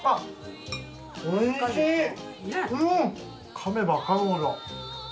噛めば噛むほど。